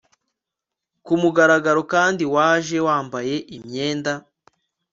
kumugaragaro kandi waje wambaye imyenda